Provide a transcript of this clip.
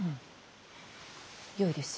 よいですよ。